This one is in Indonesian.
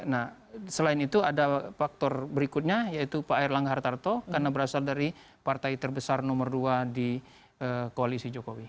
nah selain itu ada faktor berikutnya yaitu pak erlangga hartarto karena berasal dari partai terbesar nomor dua di koalisi jokowi